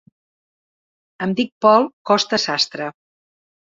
Em dic Pol Costa Sastre.